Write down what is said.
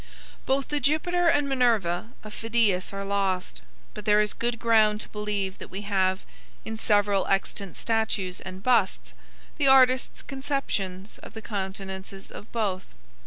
Both the Jupiter and Minerva of Phidias are lost, but there is good ground to believe that we have, in several extant statues and busts, the artist's conceptions of the countenances of both.